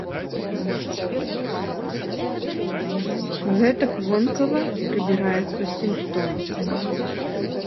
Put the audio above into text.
Гэтак вонкава прыбіраецца сімптом.